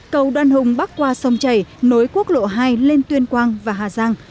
cầu đoan hùng bắc qua sông chảy nối quốc lộ hai lên tuyên quang và hà giang